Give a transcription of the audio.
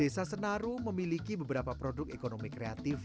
desa senaru memiliki beberapa produk ekonomi kreatif